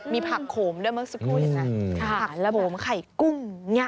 มีผักโขมด้วยเมื่อสักครู่เห็นไหมผักโขมไข่กุ้ง